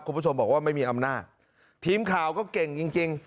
คุณผู้ชมบอกว่าไม่มีอำนาจทีมข่าวก็เก่งจริงจริง